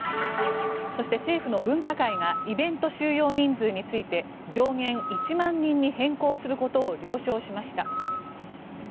そして政府の分科会がイベント収容人数について上限１万人に変更することを了承しました。